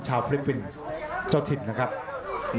อัศวินาศาสตร์